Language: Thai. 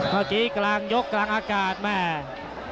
เมื่อกี้กลางยกกลางอากาศแม่